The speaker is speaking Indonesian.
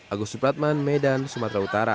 agus supratman medan sumatera utara